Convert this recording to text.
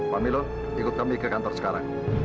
pak milo ikut kami ke kantor sekarang